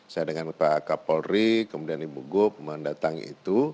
saya dengan pak kapolri kemudian ibu gop mendatang itu